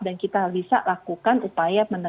dan kita bisa lakukan upaya menangani